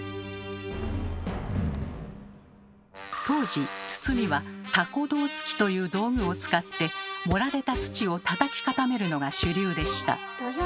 当時堤は「蛸胴突き」という道具を使って盛られた土をたたき固めるのが主流でした。